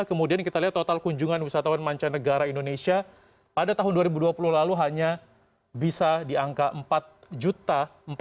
kemudian kita lihat total kunjungan wisatawan mancanegara indonesia pada tahun dua ribu dua puluh lalu hanya bisa di angka empat juta